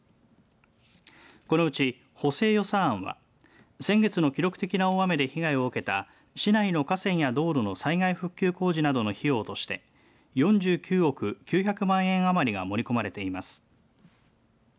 このうち補正予算案は先月の記録的な大雨で被害を受けた市内の河川や道路の災害復旧工事などの費用として４９億９００万円余りが盛り込まれています。